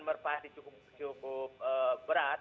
merpati cukup berat